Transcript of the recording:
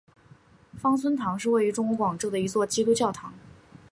芳村堂是位于中国广州的一座基督教堂。